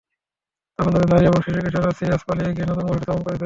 তখন তাদের নারী এবং শিশু-কিশোররা সিরিয়ায় পালিয়ে গিয়ে নতুন বসতি স্থাপন করেছিল।